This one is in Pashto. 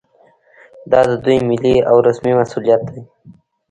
دا د دوی ملي او رسمي مسوولیت دی